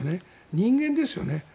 人間ですよね。